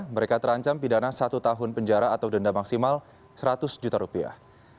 mereka terancam pidana satu tahun penjara atau denda maksimal seratus juta rupiah